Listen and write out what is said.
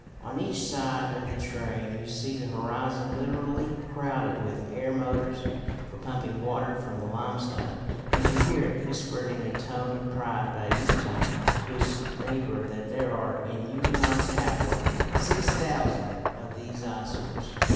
On each side of the train you see the horizon literally crowded with air motors for pumping water from the limestone, and you hear it whispered in a tone of pride by a Yucatecan to his neighbour that there are in Yucatan's capital 6,000 of these eyesores.